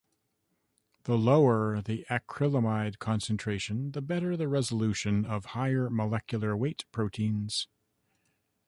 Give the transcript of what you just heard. The lower the acrylamide concentration, the better the resolution of higher molecular weight proteins.